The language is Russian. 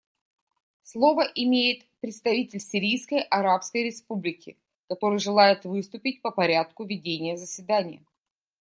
Слово имеет представитель Сирийской Арабской Республики, который желает выступить по порядку ведения заседания.